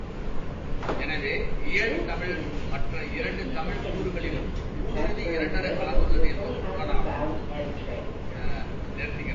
எனவே, இயல் தமிழ் மற்ற இரண்டு தமிழ்க் கூறுகளிலும் ஊடுருவி இரண்டறக் கலந்துள்ளது என்பது புலனாகும்.